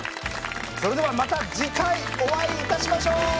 それではまた次回お会いいたしましょう。